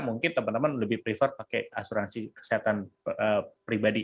mungkin teman teman lebih prefer pakai asuransi kesehatan pribadi